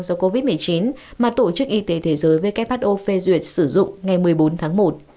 do covid một mươi chín mà tổ chức y tế thế giới who phê duyệt sử dụng ngày một mươi bốn tháng một